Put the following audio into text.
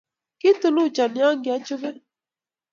Kii tuluchon ya koachube